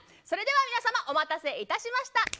それでは皆様お待たせいたしました。